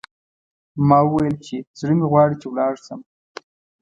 ما وویل چې، زړه مې غواړي چې ولاړ شم.